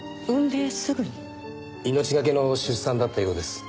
命がけの出産だったようです。